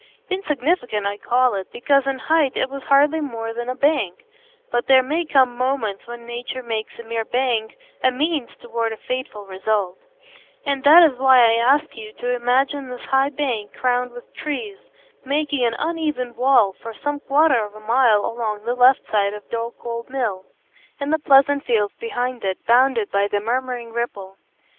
Insignificant I call it, because in height it was hardly more than a bank; but there may come moments when Nature makes a mere bank a means toward a fateful result; and that is why I ask you to imagine this high bank crowned with trees, making an uneven wall for some quarter of a mile along the left side of Dorlcote Mill and the pleasant fields behind it, bounded by the murmuring Ripple.